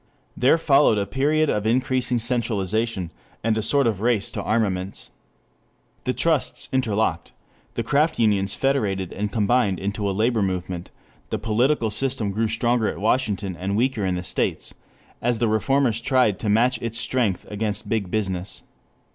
There followed a period of increasing centralization and a sort of race of armaments. The trusts interlocked, the craft unions federated and combined into a labor movement, the political system grew stronger at Washington and weaker in the states, as the reformers tried to match its strength against big business.